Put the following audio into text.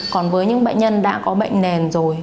còn với những bệnh nhân đã có bệnh nền rồi